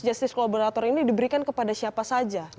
justice kolaborator ini diberikan kepada siapa saja